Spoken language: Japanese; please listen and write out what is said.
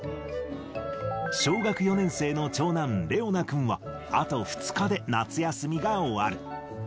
小学４年生の長男、れおな君は、あと２日で夏休みが終わる。